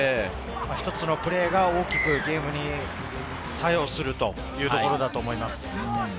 一つのプレーが大きくゲームに左右するというところだと思います。